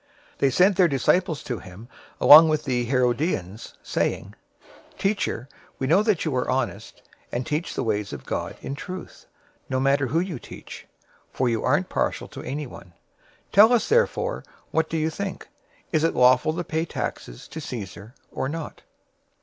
022:016 They sent their disciples to him, along with the Herodians, saying, "Teacher, we know that you are honest, and teach the way of God in truth, no matter who you teach, for you aren't partial to anyone. 022:017 Tell us therefore, what do you think? Is it lawful to pay taxes to Caesar, or not?"